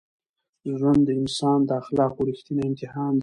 ژوند د انسان د اخلاقو رښتینی امتحان دی.